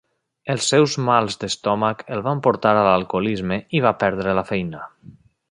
Els seus mals d'estómac el van portar a l'alcoholisme i va perdre la feina.